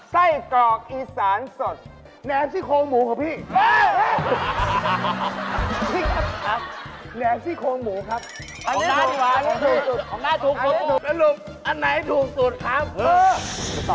ไส้กอกอีสานสด